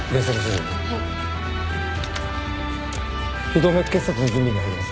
脾動脈結紮の準備に入ります。